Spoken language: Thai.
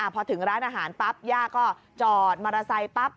พอถึงร้านอาหารปั๊บย่าก็จอดมอเตอร์ไซค์ปั๊บ